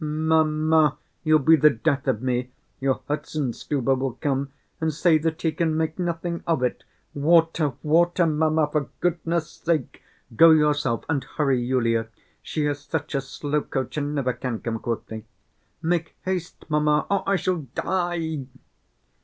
"Mamma, you'll be the death of me. Your Herzenstube will come and say that he can make nothing of it! Water, water! Mamma, for goodness' sake go yourself and hurry Yulia, she is such a slowcoach and never can come quickly! Make haste, mamma, or I shall die."